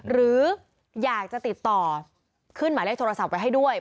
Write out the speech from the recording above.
หรืออยากจะติดต่อขึ้นหมายเลขโทรศัพท์ไว้ให้ด้วย